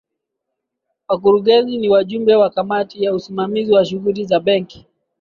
wakurugenzi ni wajumbe wa kamati ya usimamizi wa shughuli za benki